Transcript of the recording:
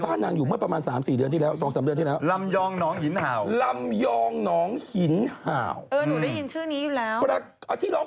พูดไม่รู้ทางใช่มหรือยัง